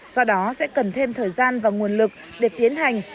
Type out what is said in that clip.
do đó sẽ cần thêm thời gian và nguồn lực để tiến hành